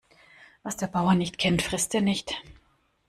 Was der Bauer nicht kennt, frisst er nicht.